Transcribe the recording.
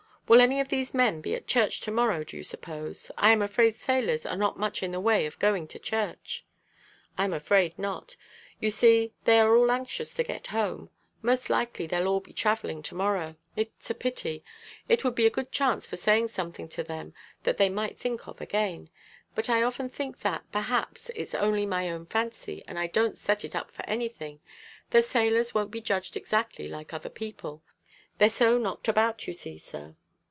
Will any of these men be at church to morrow, do you suppose? I am afraid sailors are not much in the way of going to church?" "I am afraid not. You see they are all anxious to get home. Most likely they'll be all travelling to morrow. It's a pity. It would be a good chance for saying something to them that they might think of again. But I often think that, perhaps it's only my own fancy, and I don't set it up for anything that sailors won't be judged exactly like other people. They're so knocked about, you see, sir."